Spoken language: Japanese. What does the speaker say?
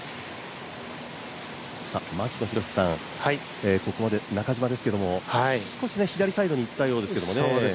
牧野裕さん、ここまで中島ですけども少し左サイドに行ったようですけど。